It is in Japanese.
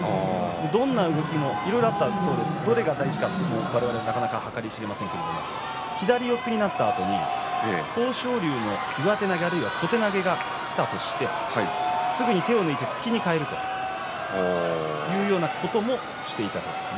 どんな動きが、どれが大事か我々は計り知れませんが左四つになったあとに豊昇龍の上手投げあるいは小手投げがきたとしてすぐに手を抜いて突きに変えるというようなこともしていたようです。